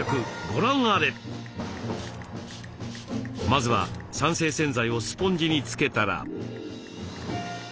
まずは酸性洗剤をスポンジに付けたら。